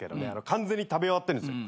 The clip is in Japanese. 完全に食べ終わってんですよ。